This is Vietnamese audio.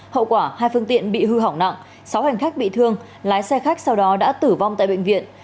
hậu quả hai phương tiện bị hư hỏng nặng sáu hành khách bị thương lái xe khách sau đó đã tử vong tại bệnh viện